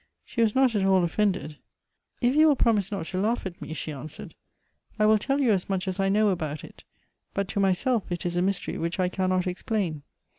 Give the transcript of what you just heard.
She was not at all ofiended. ' If you will promise not to laugh at me,' she answered, ' I will tell you as much as I know about it ; but to myself it is a mystery which I cannot explain.